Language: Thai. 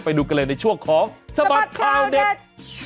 ไปดูกันเลยในช่วงของสบัดข่าวเด็ด